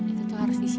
itu tuh harus di sini